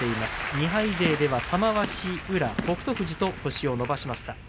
２敗勢では玉鷲、宇良、北勝富士と星を伸ばしました。